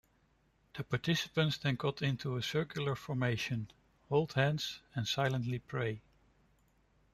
The participants then get into a circular formation, hold hands, and silently pray.